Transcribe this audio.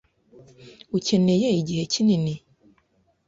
Ukeneye igihe kinini?